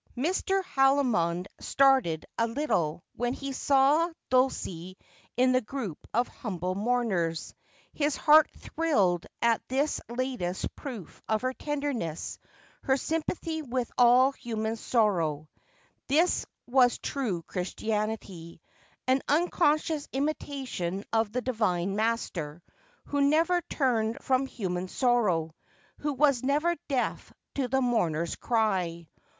Mr. Haldimond started a little when he saw Dulcie in the group of humble mourners. His heart thrilled at this latest proof of her tenderness, her sympathy with all human sorrow. 318 Just as I Am. This was true Christianity, an unconscious imitation of the Divine Master, who never turned from human sorrow, who was never deaf to the mourner's ciy.